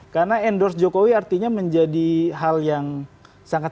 karena endorse jokowi artinya menjadi hal yang sangat